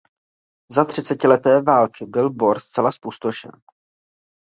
Za třicetileté války byl Bor zcela zpustošen.